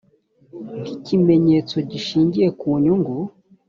nk inkimenyetso gishingiye ku nyungu